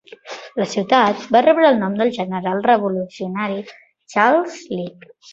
La ciutat va rebre el nom del general revolucionari Charles Lee.